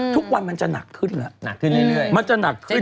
ทุกวันมันจะหนักขึ้นแล้วมันจะหนักขึ้น